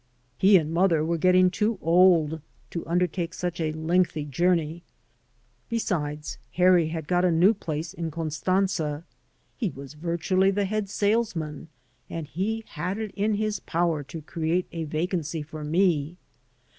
He and mother were getting too old to undertake such a lengthy journey. Besides, Harry had got a new place in Constantza; he was virtually the head salesman, and he had it in his power to create a vacancy for me.